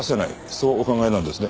そうお考えなんですね。